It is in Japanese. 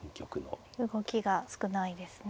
動きが少ないですね。